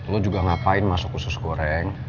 lo juga ngapain masuk usus goreng